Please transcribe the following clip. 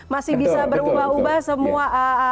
masih bisa berubah ubah semua